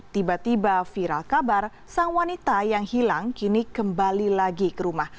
tiba tiba viral kabar sang wanita yang hilang kini kembali lagi ke rumah